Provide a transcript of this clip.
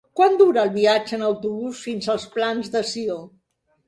Quant dura el viatge en autobús fins als Plans de Sió?